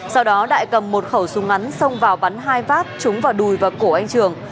sau đó đại cầm một khẩu súng ngắn xông vào bắn hai phát trúng vào đùi vào cổ anh trường